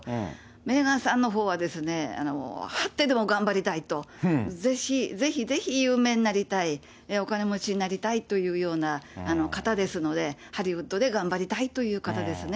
メーガンさんのほうははってでも頑張りたいと、ぜひ、ぜひぜひ有名になりたい、お金持ちになりたいというような方ですので、ハリウッドで頑張りたいという方ですね。